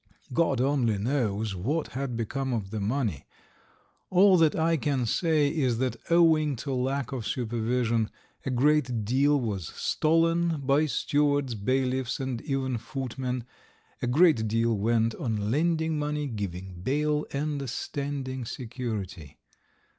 God only knows what had become of the money. All that I can say is that owing to lack of supervision a great deal was stolen by stewards, bailiffs, and even footmen; a great deal went on lending money, giving bail, and standing security.